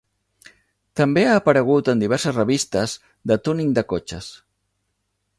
També ha aparegut en diverses revistes de túning de cotxes.